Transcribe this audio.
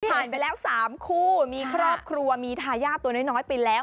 ผ่านไปแล้ว๓คู่มีครอบครัวมีทายาทตัวน้อยไปแล้ว